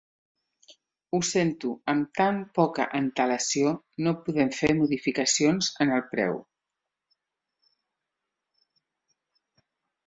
Ho sento, amb tan poca antelació no podem fer modificacions en el preu.